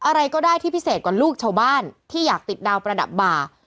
อะไรก็ได้ที่พิเศษกว่าลูกชาวบ้านที่อยากติดดาวประดับบ่า